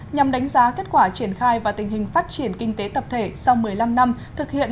nhằm đánh giá kết quả triển khai và tình hình phát triển kinh tế tập thể sau một mươi năm năm thực hiện